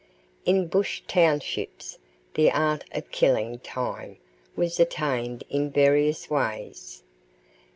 In bush townships the art of killing time was attained in various ways.